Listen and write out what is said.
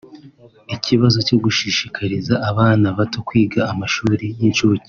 Ikibazo cyo gushishikariza abana bato kwiga mashuri y’ ncuke